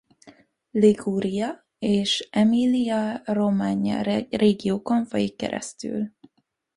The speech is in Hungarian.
Liguria és Emilia-Romagna régiókon folyik keresztül.